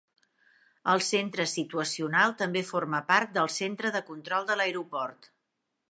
El centre situacional també forma part del centre de control de l'aeroport.